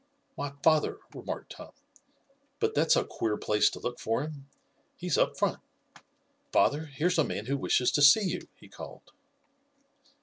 "My father," remarked Tom. "But that's a queer place to look for him. He's up front. Father, here's a man who wishes to see you," he called.